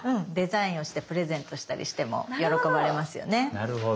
なるほど。